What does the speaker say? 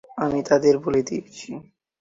আমি তাদের বলে দিয়েছি।